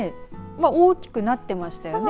大きくなってましたよね。